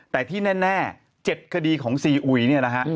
แต่ที่แน่๗คดีของซีอุยเนี่ยนะฮะ